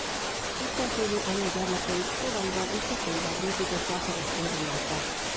Istenfélő anyja gyermekeit szavaival és tetteivel buzdította a keresztény életre.